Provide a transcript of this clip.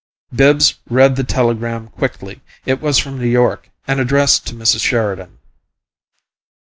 Bibbs read the telegram quickly. It was from New York and addressed to Mrs. Sheridan.